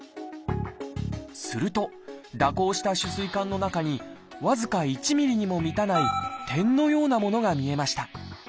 すると蛇行した主膵管の中に僅か１ｍｍにも満たない点のようなものが見えました。